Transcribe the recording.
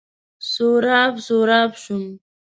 سراب، سراب شوم